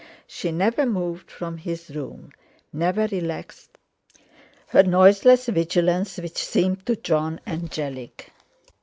She never moved from his room, never relaxed her noiseless vigilance, which seemed to Jon angelic.